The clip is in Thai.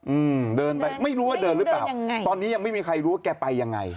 อืมเดินไปไม่รู้ว่าเดินหรือเปล่าตอนนี้ยังไม่มีใครรู้ว่าแกไปยังไง